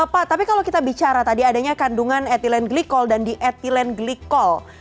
pak tapi kalau kita bicara tadi adanya kandungan ethylenglycol dan diethylenglycol